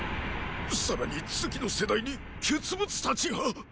さらに次の世代に傑物達が。